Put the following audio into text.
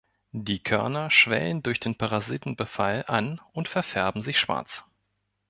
Die Körner schwellen durch den Parasitenbefall an und verfärben sich schwarz.